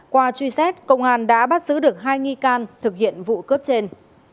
qua truy xét công an đã bắt giữ được hai nghi can thực hiện vụ cướp trên